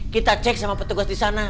kita cek sama petugas di sana